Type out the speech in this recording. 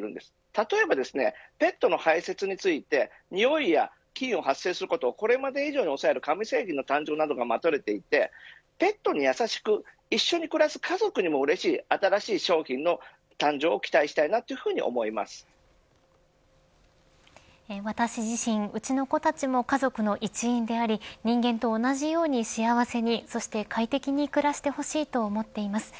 例えばペットの排せつについてにおいや菌を発生することこれまで以上に抑える完成品の誕生などが待たれていてペットに優しく一緒に暮らす家族にもうれしい新しい商品の誕生を私自身うちの子たちも家族の一員であり人間と同じように幸せにそして快適に暮らしてほしいと思っています。